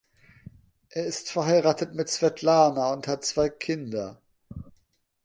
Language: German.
Er ist verheiratet mit Svetlana und hat zwei Kinder.